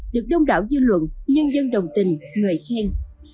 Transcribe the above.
được đông đảo dư luận nhân dân đồng tình người khen